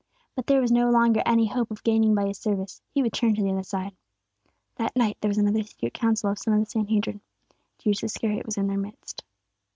But if there was no longer any hope of gaining by His service, he would turn to the other side. That night there was another secret council of some of the Sanhedrin, and Judas Iscariot was in their midst.